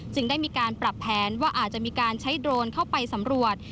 ได้มีการปรับแผนว่าอาจจะมีการใช้โดรนเข้าไปสำรวจ